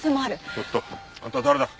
ちょっと！あんた誰だ？